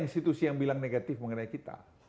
institusi yang bilang negatif mengenai kita